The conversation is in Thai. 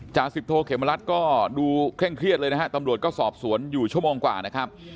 สิบโทเขมรัฐก็ดูเคร่งเครียดเลยนะฮะตำรวจก็สอบสวนอยู่ชั่วโมงกว่านะครับ